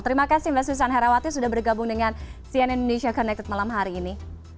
terima kasih mbak susan herawati sudah bergabung dengan cn indonesia connected malam hari ini